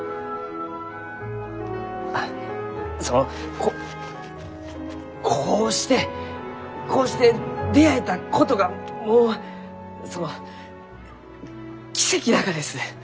あっそのこうしてこうして出会えたことがもうその奇跡ながです！